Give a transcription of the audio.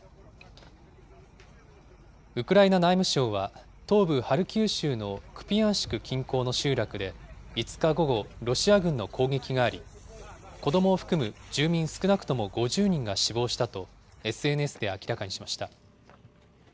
ウクライナ内務省は東部ハルキウ州のクピヤンシク近郊の集落で５日午後、ロシア軍の攻撃があり、子どもを含む住民少なくとも５０人が死亡したとＳＮＳで明らかにしました。